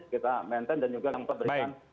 kita maintain dan juga memberikan